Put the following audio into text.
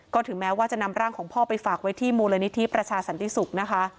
ก็ถึงแม้ว่าจะนำร่างของพ่อไปฝากไว้ที่มูลนิธิประชาสันติศุกร์นะคะ